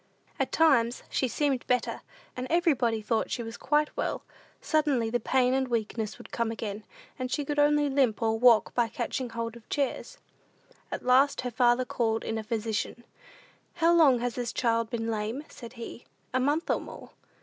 At times she seemed better; and when everybody thought she was quite well, suddenly the pain and weakness would come again, and she could only limp, or walk by catching hold of chairs. At last her father called in a physician. "How long has this child been lame?" said he. "A month or more."